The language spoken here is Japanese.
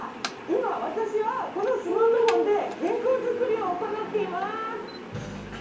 今私はこのスマートフォンで健康づくりを行っています！